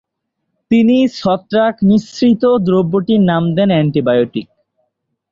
তিনি ছত্রাক-নিঃসৃত দ্রব্যটির নাম দেন অ্যান্টিবায়োটিক।